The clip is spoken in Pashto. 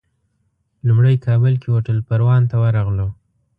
لومړی کابل کې هوټل پروان ته ورغلو.